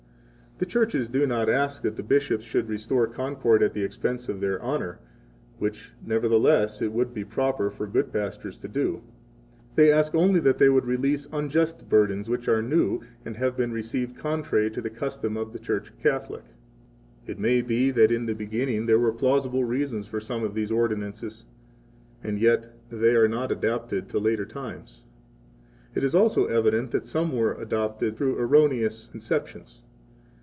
The churches do not ask that the bishops should restore concord at the expense of their honor; which, nevertheless, 72 it would be proper for good pastors to do. They ask only that they would release unjust burdens which are new and have been received contrary to the custom of the Church Catholic. 73 It may be that in the beginning there were plausible reasons for some of these ordinances; and yet they are not adapted to later times. 74 It is also evident that some were adopted through erroneous conceptions.